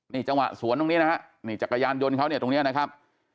นี่จังหวะสวนตรงนี้นะฮะนี่จักรยานยนต์เขาเนี่ยตรงนี้นะครับ